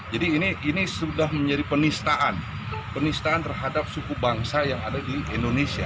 jadi ini sudah menjadi penistaan penistaan terhadap suku bangsa yang ada di indonesia